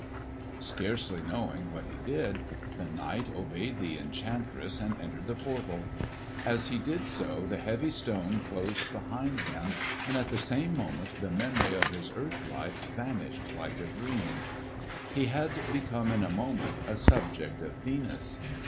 Scarcely knowing what he did, the knight obeyed the enchantress and entered the portal. As he did so the heavy stone closed behind him and at the same moment the memory of his earth life vanished like a dream. He had become in a moment a subject of Venus.